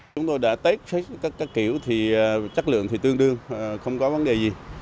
chúng tôi đã tết các kiểu thì chất lượng thì tương đương không có vấn đề gì